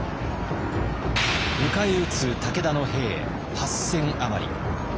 迎え撃つ武田の兵８千余り。